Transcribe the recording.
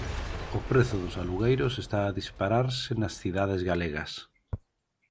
O prezo dos alugueiros está a dispararse nas cidades galegas.